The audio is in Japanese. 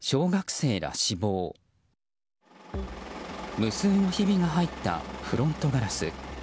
無数のひびが入ったフロントガラス。